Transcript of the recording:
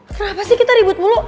kenapa sih kita ribut mulu